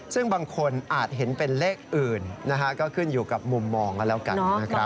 ซึ่งบางคนอาจเห็นเป็นเลขอื่นก็ขึ้นอยู่กับมุมมองกันแล้วกันนะครับ